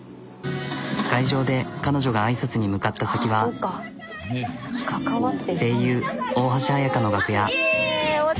会場で彼女が挨拶に向かった先は声優大橋彩香の楽屋。